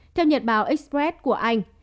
theo nhật báo express của anh